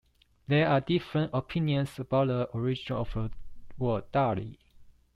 There are different opinions about the origin of the word "Dari".